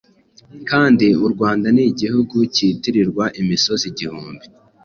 kandi u Rwanda ni Igihugu kitirirwa imisozi igihumbi,